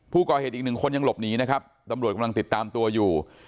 ผู้ก่อเหตุอีกหนึ่งคนยังหลบหนีนะครับตำรวจกำลังติดตามตัวอยู่